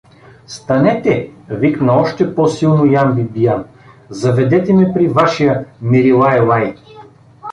— Станете! — викна още по-силно Ян Бибиян. — Заведете ме при вашия Мирилайлай!